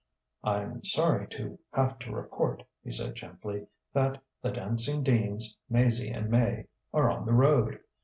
"I'm sorry to have to report," he said gently, "that 'The Dancing Deans, Maizie and May,' are on the road.